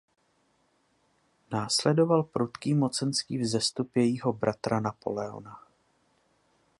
Následoval prudký mocenský vzestup jejího bratra Napoleona.